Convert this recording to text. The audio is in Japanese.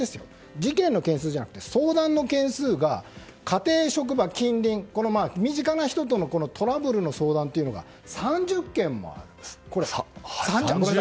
事件の件数じゃなくて相談の件数が家庭、職場、近隣身近な人とのトラブルの相談が３０万件もある。